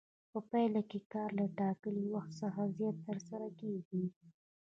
په پایله کې کار له ټاکلي وخت څخه زیات ترسره کېږي